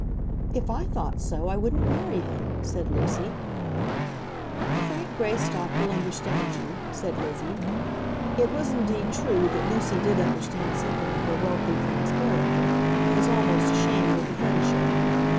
"If I thought so, I wouldn't marry him," said Lucy. "Frank Greystock will understand you," said Lizzie. It was indeed true that Lucy did understand something of her wealthy friend's character, and was almost ashamed of the friendship.